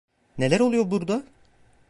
Neler oluyor burada?